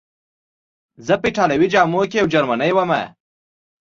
چې زه په ایټالوي جامو کې یو جرمنی ووم.